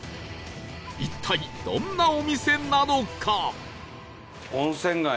一体どんなお店なのか？